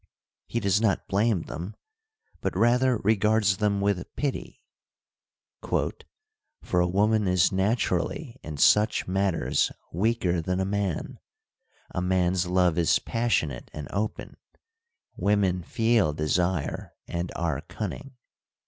He does not blame them, but rather regards them with pity, ' for a woman is naturally in such matters weaker than a man : a man's love is passionate and open ; women feel desire and are cunning.'